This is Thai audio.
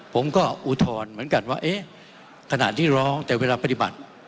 ผมก็อุทธรณ์เหมือนกันว่าเอ๊ะขณะที่ร้องแต่เวลาปฏิบัติ